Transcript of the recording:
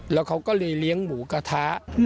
แล้วเขาก็เลยเลี้ยงหมูกระทะ